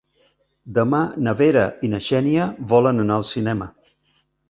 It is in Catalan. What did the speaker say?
Demà na Vera i na Xènia volen anar al cinema.